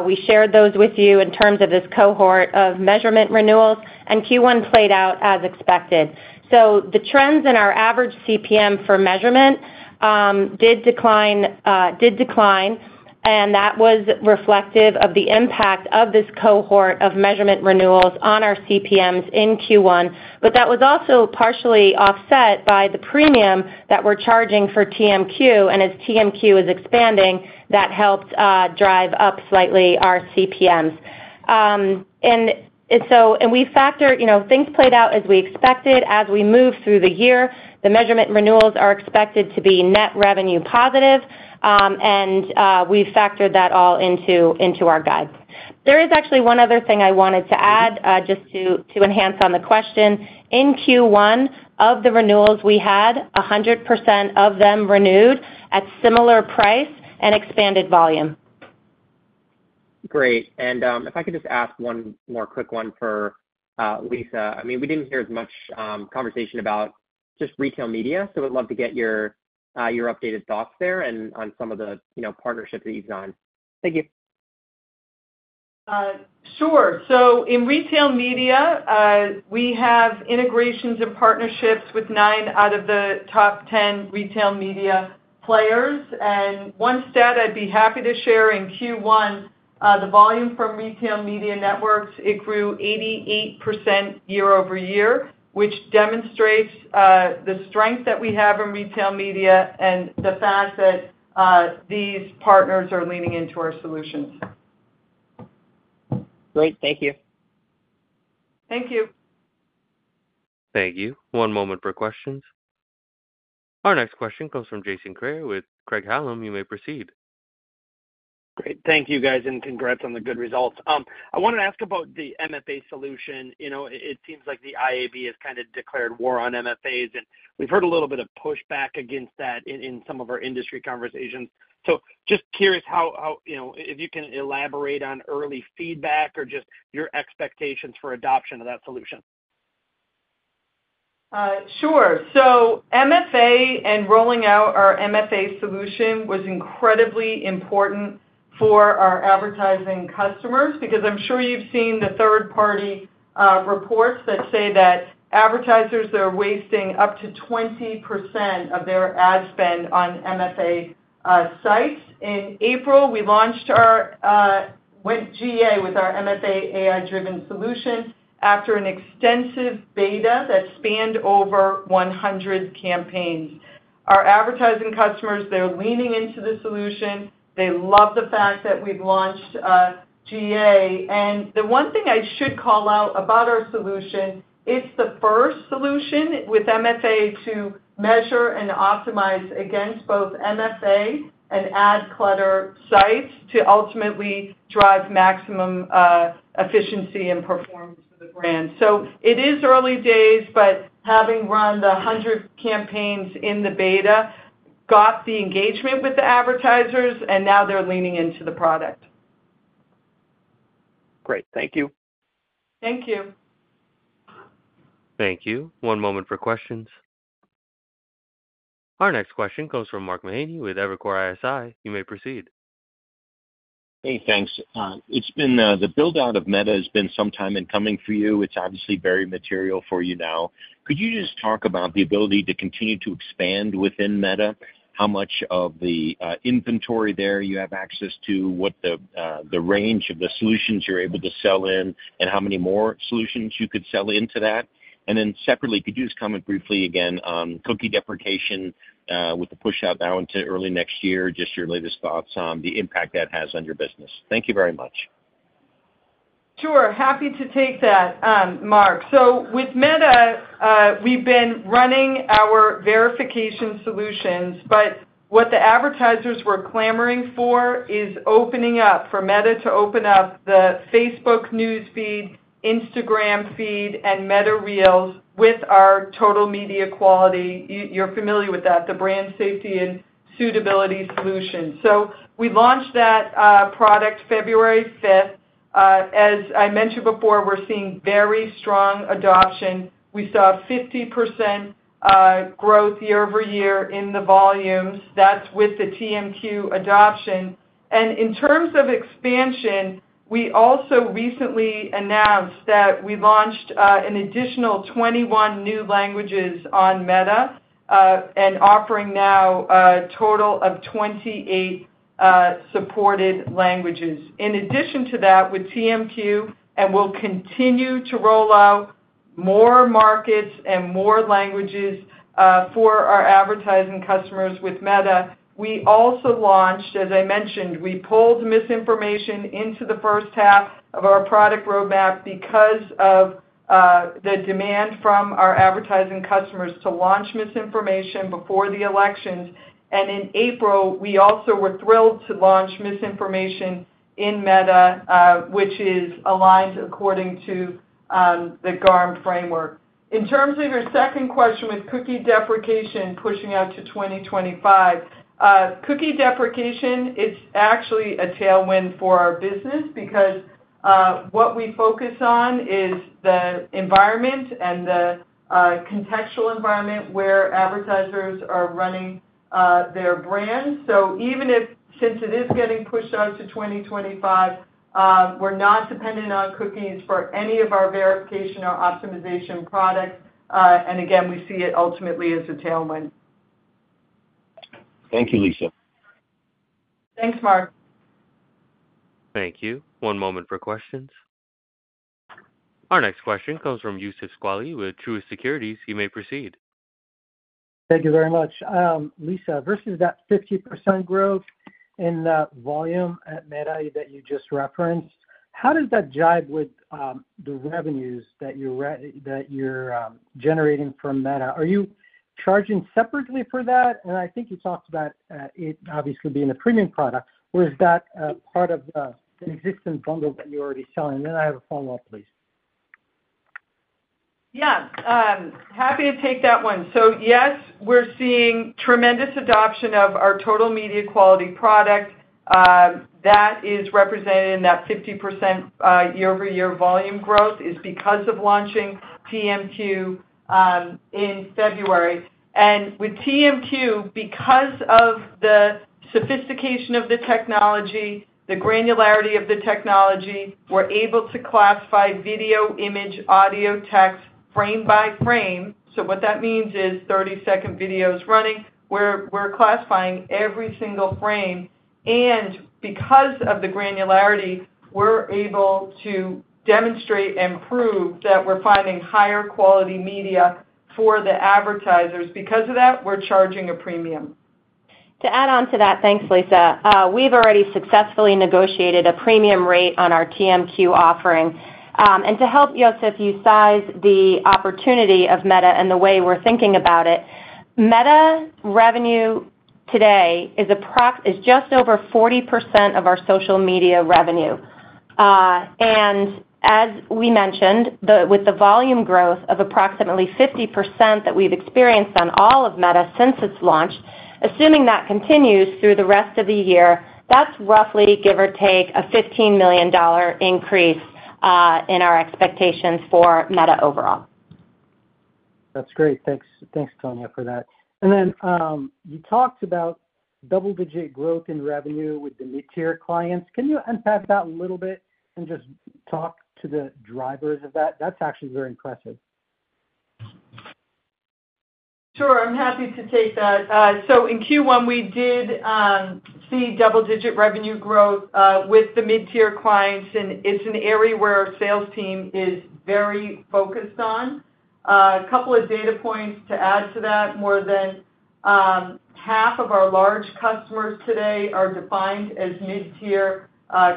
We shared those with you in terms of this cohort of measurement renewals, and Q1 played out as expected. So the trends in our average CPM for measurement did decline, and that was reflective of the impact of this cohort of measurement renewals on our CPMs in Q1. But that was also partially offset by the premium that we're charging for TMQ. And as TMQ is expanding, that helped drive up slightly our CPMs. And we factor things played out as we expected. As we move through the year, the measurement renewals are expected to be net revenue positive, and we've factored that all into our guide. There is actually one other thing I wanted to add just to enhance on the question. In Q1 of the renewals, we had 100% of them renewed at similar price and expanded volume. Great. And if I could just ask one more quick one for Lisa. I mean, we didn't hear as much conversation about just retail media, so would love to get your updated thoughts there and on some of the partnerships that you've signed. Thank you. Sure. In retail media, we have integrations and partnerships with 9 out of the top 10 retail media players. One stat I'd be happy to share in Q1, the volume from retail media networks, it grew 88% year-over-year, which demonstrates the strength that we have in retail media and the fact that these partners are leaning into our solutions. Great. Thank you. Thank you. Thank you. One moment for questions. Our next question comes from Jason Kreyer with Craig-Hallum. You may proceed. Great. Thank you, guys, and congrats on the good results. I want to ask about the MFA solution. It seems like the IAB has kind of declared war on MFAs, and we've heard a little bit of pushback against that in some of our industry conversations. So just curious how if you can elaborate on early feedback or just your expectations for adoption of that solution? Sure. So MFA and rolling out our MFA solution was incredibly important for our advertising customers because I'm sure you've seen the third-party reports that say that advertisers, they're wasting up to 20% of their ad spend on MFA sites. In April, we launched our went GA with our MFA AI-driven solution after an extensive beta that spanned over 100 campaigns. Our advertising customers, they're leaning into the solution. They love the fact that we've launched GA. And the one thing I should call out about our solution, it's the first solution with MFA to measure and optimize against both MFA and ad clutter sites to ultimately drive maximum efficiency and performance for the brand. So it is early days, but having run the 100 campaigns in the beta got the engagement with the advertisers, and now they're leaning into the product. Great. Thank you. Thank you. Thank you. One moment for questions. Our next question comes from Mark Mahaney with Evercore ISI. You may proceed. Hey. Thanks. The buildout of Meta has been some time in coming for you. It's obviously very material for you now. Could you just talk about the ability to continue to expand within Meta, how much of the inventory there you have access to, what the range of the solutions you're able to sell in, and how many more solutions you could sell into that? And then separately, could you just comment briefly again on Cookie Deprecation with the push out now into early next year, just your latest thoughts on the impact that has on your business? Thank you very much. Sure. Happy to take that, Mark. So with Meta, we've been running our verification solutions, but what the advertisers were clamoring for is opening up for Meta to open up the Facebook news feed, Instagram feed, and Meta Reels with our Total Media Quality. You're familiar with that, the brand safety and suitability solution. So we launched that product February 5th. As I mentioned before, we're seeing very strong adoption. We saw 50% growth year-over-year in the volumes. That's with the TMQ adoption. And in terms of expansion, we also recently announced that we launched an additional 21 new languages on Meta and offering now a total of 28 supported languages. In addition to that, with TMQ, and we'll continue to roll out more markets and more languages for our advertising customers with Meta, we also launched as I mentioned, we pulled misinformation into the first half of our product roadmap because of the demand from our advertising customers to launch misinformation before the elections. And in April, we also were thrilled to launch misinformation in Meta, which is aligned according to the GARM framework. In terms of your second question with Cookie Deprecation pushing out to 2025, Cookie Deprecation, it's actually a tailwind for our business because what we focus on is the environment and the contextual environment where advertisers are running their brands. So even if since it is getting pushed out to 2025, we're not dependent on cookies for any of our verification or optimization products. And again, we see it ultimately as a tailwind. Thank you, Lisa. Thanks, Mark. Thank you. One moment for questions. Our next question comes from Youssef Squali with Truist Securities. You may proceed. Thank you very much. Lisa, versus that 50% growth in volume at Meta that you just referenced, how does that jibe with the revenues that you're generating from Meta? Are you charging separately for that? And I think you talked about it obviously being a premium product. Or is that part of an existing bundle that you're already selling? And then I have a follow-up, please. Yeah. Happy to take that one. So yes, we're seeing tremendous adoption of our Total Media Quality product. That is represented in that 50% year-over-year volume growth is because of launching TMQ in February. And with TMQ, because of the sophistication of the technology, the granularity of the technology, we're able to classify video, image, audio, text frame by frame. So what that means is 30-second videos running. We're classifying every single frame. And because of the granularity, we're able to demonstrate and prove that we're finding higher quality media for the advertisers. Because of that, we're charging a premium. To add on to that, thanks, Lisa. We've already successfully negotiated a premium rate on our TMQ offering. To help Youssef size up the opportunity of Meta and the way we're thinking about it, Meta revenue today is just over 40% of our social media revenue. As we mentioned, with the volume growth of approximately 50% that we've experienced on all of Meta since its launch, assuming that continues through the rest of the year, that's roughly, give or take, a $15,000,000 increase in our expectations for Meta overall. That's great. Thanks, Tania, for that. And then you talked about double-digit growth in revenue with the mid-tier clients. Can you unpack that a little bit and just talk to the drivers of that? That's actually very impressive. Sure. I'm happy to take that. So in Q1, we did see double-digit revenue growth with the mid-tier clients, and it's an area where our sales team is very focused on. A couple of data points to add to that, more than half of our large customers today are defined as mid-tier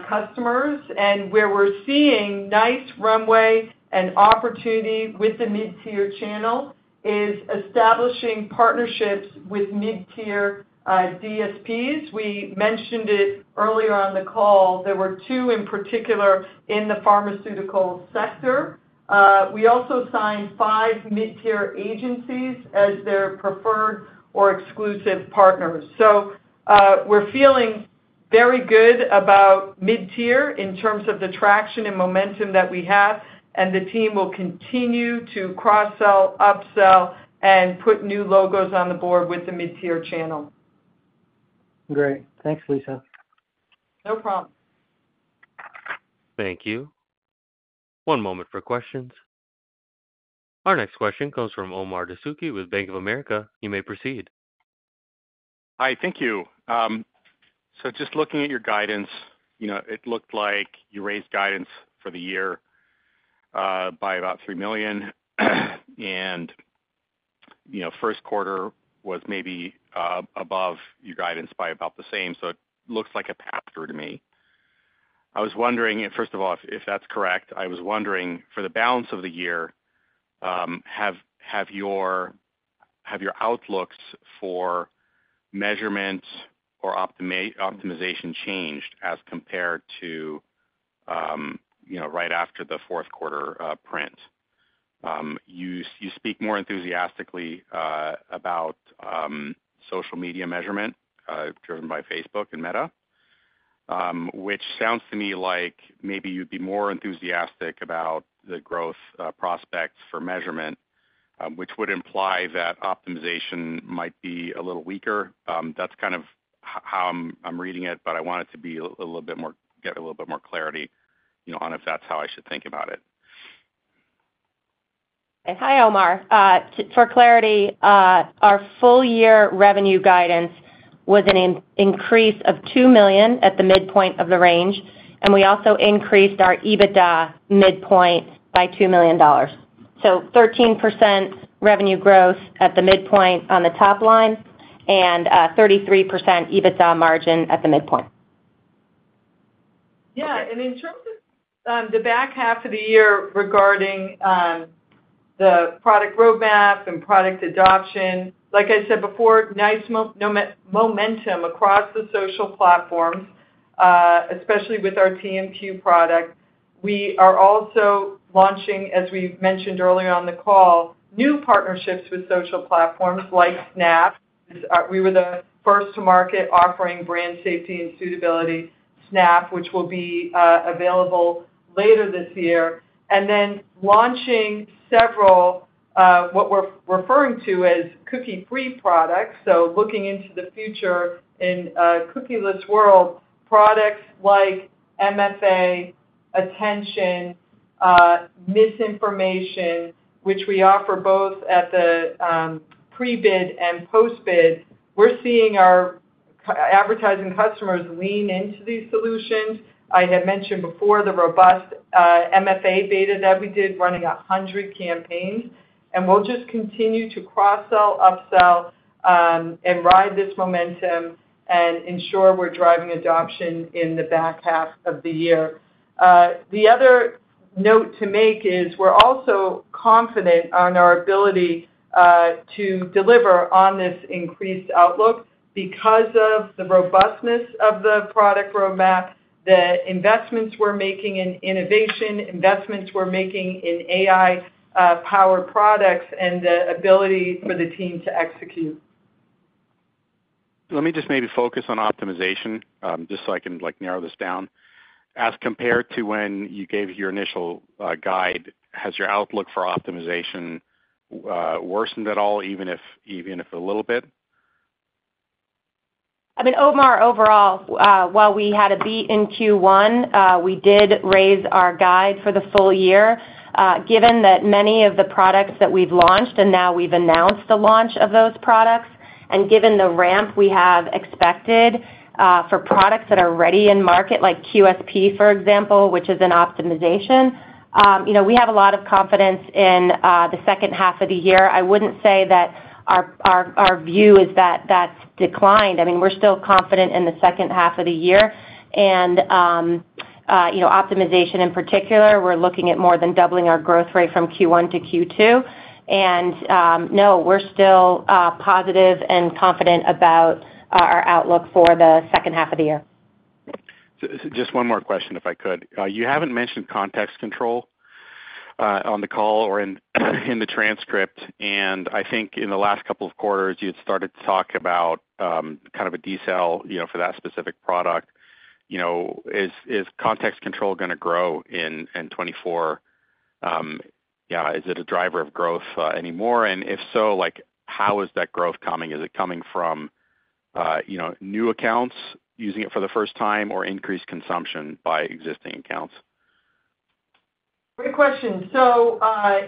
customers. And where we're seeing nice runway and opportunity with the mid-tier channel is establishing partnerships with mid-tier DSPs. We mentioned it earlier on the call. There were two in particular in the pharmaceutical sector. We also signed five mid-tier agencies as their preferred or exclusive partners. So we're feeling very good about mid-tier in terms of the traction and momentum that we have, and the team will continue to cross-sell, upsell, and put new logos on the board with the mid-tier channel. Great. Thanks, Lisa. No problem. Thank you. One moment for questions. Our next question comes from Omar Dessouky with Bank of America. You may proceed. Hi. Thank you. So just looking at your guidance, it looked like you raised guidance for the year by about $3,000,000, and first quarter was maybe above your guidance by about the same. So it looks like a path through to me. I was wondering, first of all, if that's correct. I was wondering, for the balance of the year, have your outlooks for measurement or optimization changed as compared to right after the fourth quarter print? You speak more enthusiastically about social media measurement driven by Facebook and Meta, which sounds to me like maybe you'd be more enthusiastic about the growth prospects for measurement, which would imply that optimization might be a little weaker. That's kind of how I'm reading it, but I want it to be a little bit more get a little bit more clarity on if that's how I should think about it. Hi, Omar. For clarity, our full-year revenue guidance was an increase of $2,000,000 at the midpoint of the range, and we also increased our EBITDA midpoint by $2,000,000. So 13% revenue growth at the midpoint on the top line and 33% EBITDA margin at the midpoint. Yeah. In terms of the back half of the year regarding the product roadmap and product adoption, like I said before, nice momentum across the social platforms, especially with our TMQ product. We are also launching, as we mentioned earlier on the call, new partnerships with social platforms like Snap. We were the first to market offering brand safety and suitability, Snap, which will be available later this year, and then launching several what we're referring to as cookie-free products. Looking into the future in a cookieless world, products like MFA, attention, misinformation, which we offer both at the pre-bid and post-bid. We're seeing our advertising customers lean into these solutions. I had mentioned before the robust MFA beta that we did running 100 campaigns. We'll just continue to cross-sell, upsell, and ride this momentum and ensure we're driving adoption in the back half of the year. The other note to make is we're also confident on our ability to deliver on this increased outlook because of the robustness of the product roadmap, the investments we're making in innovation, investments we're making in AI-powered products, and the ability for the team to execute. Let me just maybe focus on optimization just so I can narrow this down. As compared to when you gave your initial guide, has your outlook for optimization worsened at all, even if a little bit? I mean, Omar, overall, while we had a beat in Q1, we did raise our guide for the full year. Given that many of the products that we've launched and now we've announced the launch of those products, and given the ramp we have expected for products that are ready in market like QSP, for example, which is an optimization, we have a lot of confidence in the second half of the year. I wouldn't say that our view is that that's declined. I mean, we're still confident in the second half of the year. And optimization in particular, we're looking at more than doubling our growth rate from Q1 to Q2. And no, we're still positive and confident about our outlook for the second half of the year. Just one more question, if I could. You haven't mentioned Context Control on the call or in the transcript, and I think in the last couple of quarters, you'd started to talk about kind of a detail for that specific product. Is Context Control going to grow in 2024? Yeah. Is it a driver of growth anymore? And if so, how is that growth coming? Is it coming from new accounts using it for the first time or increased consumption by existing accounts? Great question. So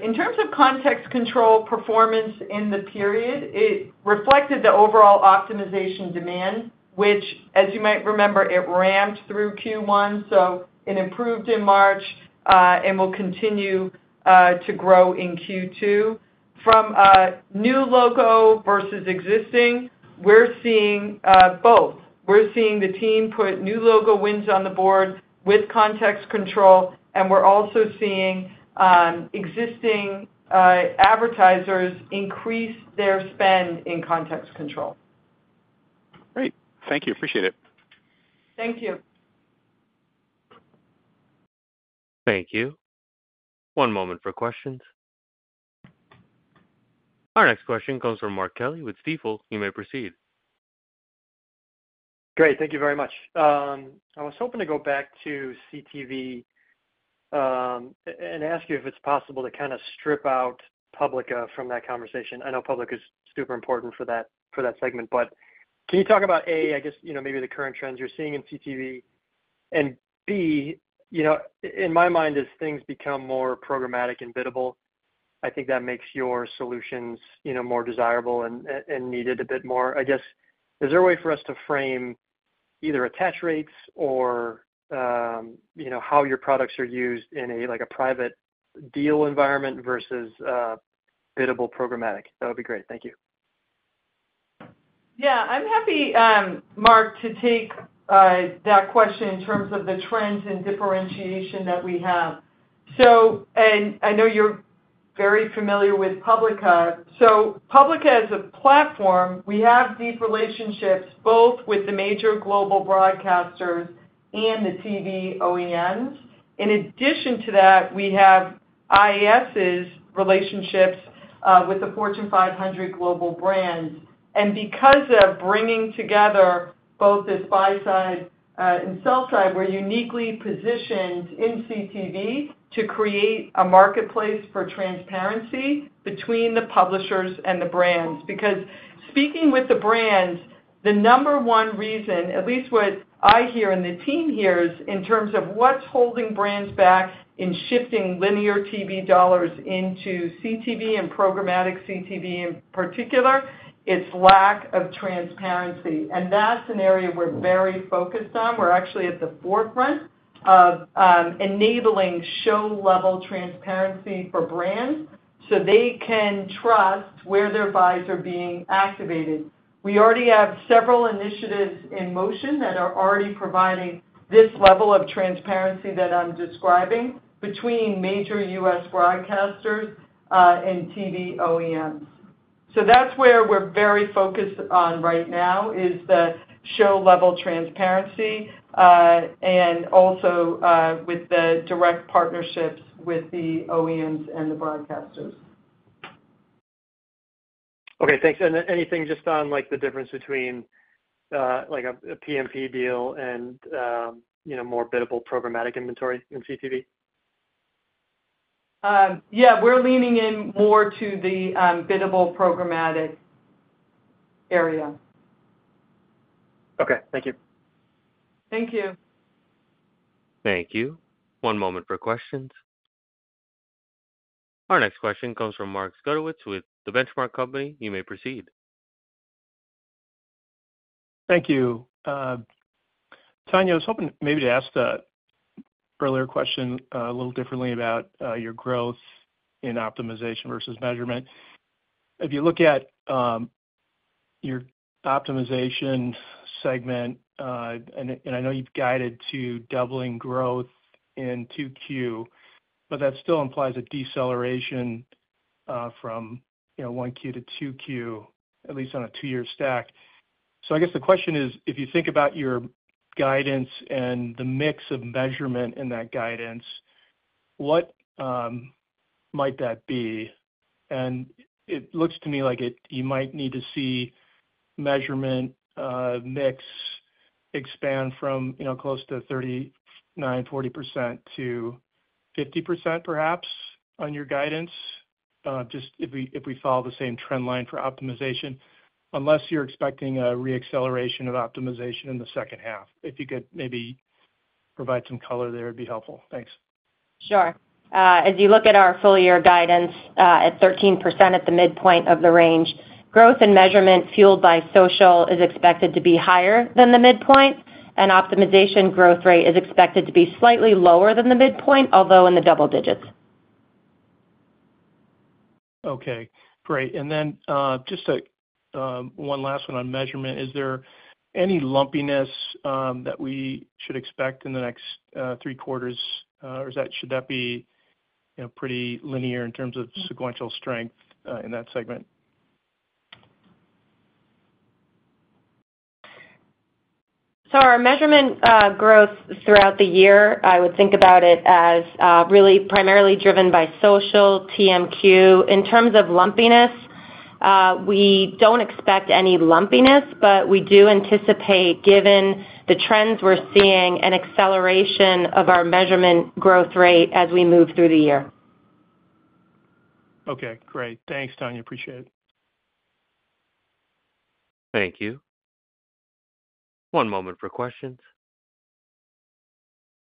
in terms of Context Control performance in the period, it reflected the overall optimization demand, which, as you might remember, it ramped through Q1. So it improved in March and will continue to grow in Q2. From new logo versus existing, we're seeing both. We're seeing the team put new logo wins on the board with Context Control, and we're also seeing existing advertisers increase their spend in Context Control. Great. Thank you. Appreciate it. Thank you. Thank you. One moment for questions. Our next question comes from Mark Kelly with Stifel. You may proceed. Great. Thank you very much. I was hoping to go back to CTV and ask you if it's possible to kind of strip out Publica from that conversation. I know Publica is super important for that segment, but can you talk about, A, I guess maybe the current trends you're seeing in CTV? And B, in my mind, as things become more programmatic and biddable, I think that makes your solutions more desirable and needed a bit more. I guess is there a way for us to frame either attach rates or how your products are used in a private deal environment versus biddable programmatic? That would be great. Thank you. Yeah. I'm happy, Mark, to take that question in terms of the trends and differentiation that we have. And I know you're very familiar with Publica. So Publica, as a platform, we have deep relationships both with the major global broadcasters and the TV OEMs. In addition to that, we have IAS's relationships with the Fortune 500 global brands. And because of bringing together both this buy-side and sell-side, we're uniquely positioned in CTV to create a marketplace for transparency between the publishers and the brands. Because speaking with the brands, the number one reason, at least what I hear and the team hears in terms of what's holding brands back in shifting linear TV dollars into CTV and programmatic CTV in particular, it's lack of transparency. And that's an area we're very focused on. We're actually at the forefront of enabling show-level transparency for brands so they can trust where their buys are being activated. We already have several initiatives in motion that are already providing this level of transparency that I'm describing between major U.S. broadcasters and TV OEMs. So that's where we're very focused on right now, is the show-level transparency and also with the direct partnerships with the OEMs and the broadcasters. Okay. Thanks. Anything just on the difference between a PMP deal and more biddable programmatic inventory in CTV? Yeah. We're leaning in more to the biddable programmatic area. Okay. Thank you. Thank you. Thank you. One moment for questions. Our next question comes from Mark Zgutowicz with The Benchmark Company. You may proceed. Thank you. Tania, I was hoping maybe to ask the earlier question a little differently about your growth in optimization versus measurement. If you look at your optimization segment, and I know you've guided to doubling growth in 2Q, but that still implies a deceleration from 1Q to 2Q, at least on a two-year stack. So I guess the question is, if you think about your guidance and the mix of measurement in that guidance, what might that be? And it looks to me like you might need to see measurement mix expand from close to 39%-40% to 50%, perhaps, on your guidance, just if we follow the same trend line for optimization, unless you're expecting a re-acceleration of optimization in the second half. If you could maybe provide some color there, it'd be helpful. Thanks. Sure. As you look at our full-year guidance, at 13% at the midpoint of the range, growth in measurement fueled by social is expected to be higher than the midpoint, and optimization growth rate is expected to be slightly lower than the midpoint, although in the double digits. Okay. Great. And then just one last one on measurement. Is there any lumpiness that we should expect in the next three quarters, or should that be pretty linear in terms of sequential strength in that segment? So our measurement growth throughout the year, I would think about it as really primarily driven by social, TMQ. In terms of lumpiness, we don't expect any lumpiness, but we do anticipate, given the trends we're seeing, an acceleration of our measurement growth rate as we move through the year. Okay. Great. Thanks, Tania. Appreciate it. Thank you. One moment for questions.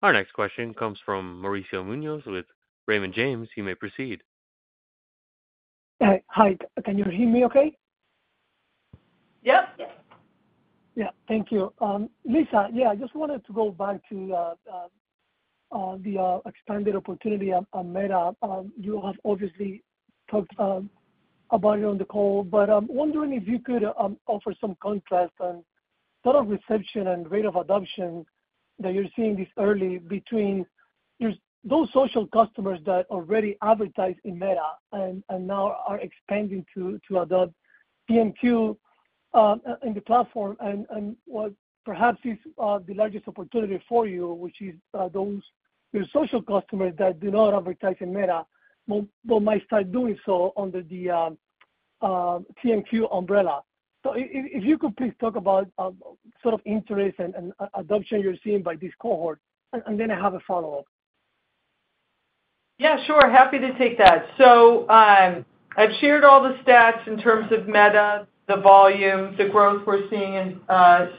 Our next question comes from Mauricio Muñoz with Raymond James. You may proceed. Hi. Can you hear me okay? Yep. Yeah. Thank you. Lisa, yeah, I just wanted to go back to the expanded opportunity on Meta. You have obviously talked about it on the call, but I'm wondering if you could offer some contrast on sort of reception and rate of adoption that you're seeing this early between those social customers that already advertise in Meta and now are expanding to adopt TMQ in the platform and what perhaps is the largest opportunity for you, which is those social customers that do not advertise in Meta but might start doing so under the TMQ umbrella. So if you could please talk about sort of interest and adoption you're seeing by this cohort, and then I have a follow-up? Yeah. Sure. Happy to take that. So I've shared all the stats in terms of Meta, the volume, the growth we're seeing in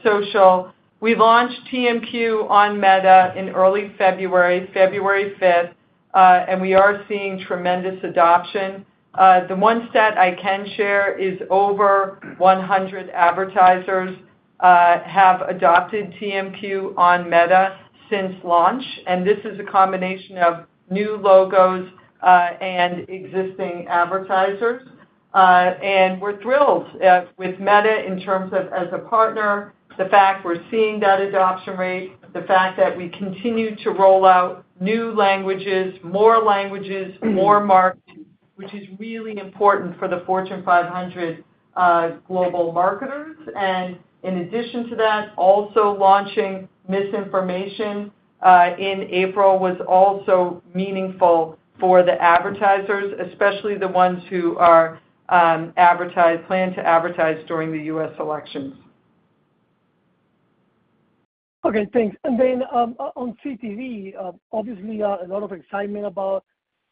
social. We launched TMQ on Meta in early February, February 5th, and we are seeing tremendous adoption. The one stat I can share is over 100 advertisers have adopted TMQ on Meta since launch. And this is a combination of new logos and existing advertisers. And we're thrilled with Meta in terms of, as a partner, the fact we're seeing that adoption rate, the fact that we continue to roll out new languages, more languages, more marketing, which is really important for the Fortune 500 global marketers. And in addition to that, also launching misinformation in April was also meaningful for the advertisers, especially the ones who plan to advertise during the U.S. elections. Okay. Thanks. And then on CTV, obviously, a lot of excitement about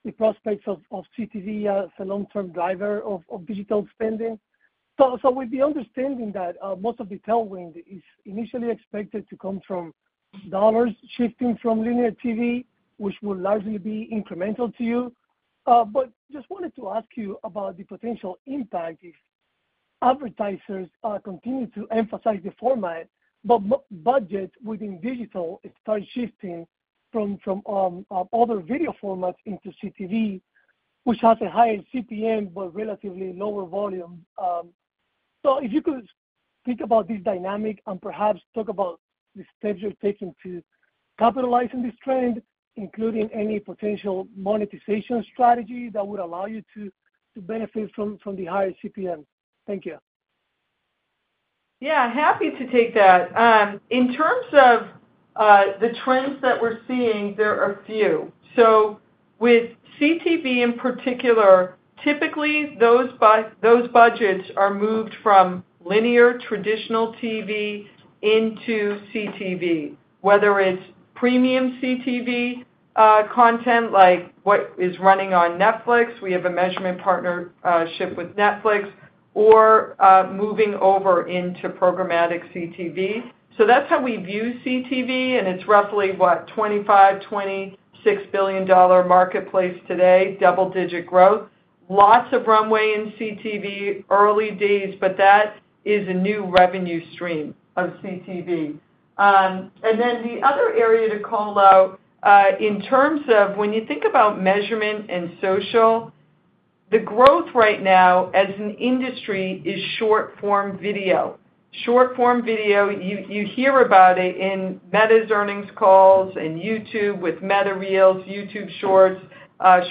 the prospects of CTV as a long-term driver of digital spending. So with the understanding that most of the tailwind is initially expected to come from dollars shifting from linear TV, which will largely be incremental to you. But just wanted to ask you about the potential impact if advertisers continue to emphasize the format, but budgets within digital start shifting from other video formats into CTV, which has a higher CPM but relatively lower volume. So if you could think about this dynamic and perhaps talk about the steps you're taking to capitalize on this trend, including any potential monetization strategy that would allow you to benefit from the higher CPM. Thank you. Yeah. Happy to take that. In terms of the trends that we're seeing, there are few. So with CTV in particular, typically, those budgets are moved from linear, traditional TV into CTV, whether it's premium CTV content like what is running on Netflix - we have a measurement partnership with Netflix - or moving over into programmatic CTV. So that's how we view CTV. And it's roughly, what, a $25,000,000,000-$26,000,000,000 marketplace today, double-digit growth, lots of runway in CTV early days, but that is a new revenue stream of CTV. And then the other area to call out in terms of when you think about measurement and social, the growth right now as an industry is short-form video. Short-form video, you hear about it in Meta's earnings calls and YouTube with Meta Reels, YouTube Shorts,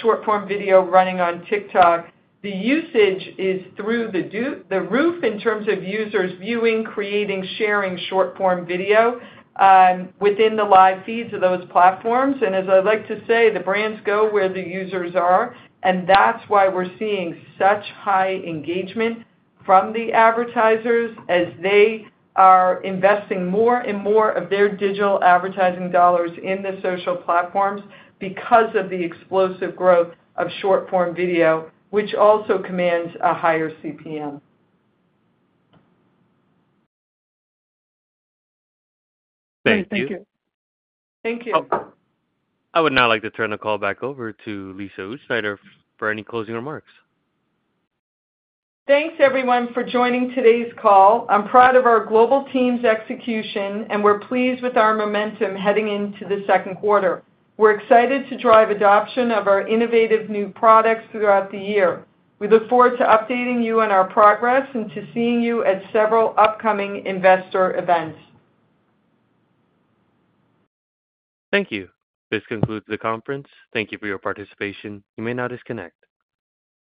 short-form video running on TikTok. The usage is through the roof in terms of users viewing, creating, sharing short-form video within the live feeds of those platforms. And as I like to say, the brands go where the users are. And that's why we're seeing such high engagement from the advertisers as they are investing more and more of their digital advertising dollars in the social platforms because of the explosive growth of short-form video, which also commands a higher CPM. Thank you. Thank you. Thank you. I would now like to turn the call back over to Lisa Utzschneider for any closing remarks. Thanks, everyone, for joining today's call. I'm proud of our global team's execution, and we're pleased with our momentum heading into the second quarter. We're excited to drive adoption of our innovative new products throughout the year. We look forward to updating you on our progress and to seeing you at several upcoming investor events. Thank you. This concludes the conference. Thank you for your participation. You may now disconnect.